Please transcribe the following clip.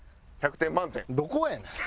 どこがやねん！